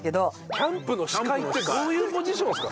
キャンプの司会ってどういうポジションですか？